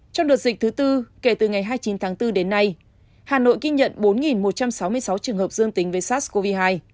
trong đợt dịch thứ tư kể từ ngày hai mươi chín tháng bốn đến nay hà nội ghi nhận bốn một trăm sáu mươi sáu trường hợp dương tính với sars cov hai